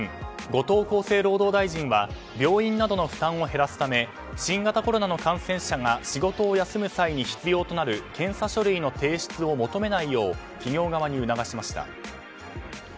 後藤厚生労働大臣は病院などの負担を減らすため新型コロナの感染者が仕事を休む際に必要となる検査書類の提出を求めないよう企業側に促しました。